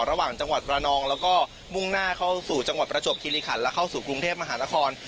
ระหว่างจังหวัดประนองแล้วก็มุ่งหน้าเข้าสู่จังหวัดประจวบคิริขันและเข้าสู่กรุงเทพมหานคร